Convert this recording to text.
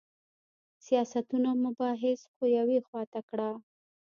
سیاستونه او مباحث خو یوې خوا ته کړه.